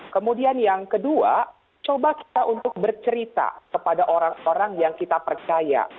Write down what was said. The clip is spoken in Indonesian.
kemudian yang kedua coba kita untuk bercerita kepada orang orang yang kita percaya